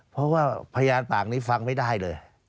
เพราะว่าพยานปากนี้ฟังไม่ได้เลย